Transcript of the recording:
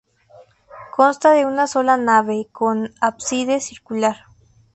Consta de una sola nave y con ábside circular.